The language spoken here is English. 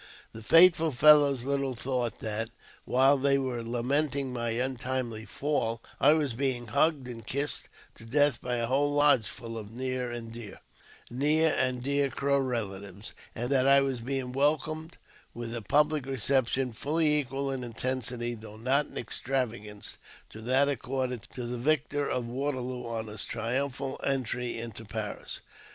The faithful fellows little thought that, while they were lamenting my untimely fall, I was being hugged and kissed to death by a whole lodge full of near and dear Crow relatives, and that I was being welcomed with a public reception fully equal in intensity, though not in extravagance, to that accorded to the victor of Waterloo on his triumphal entry into Paris.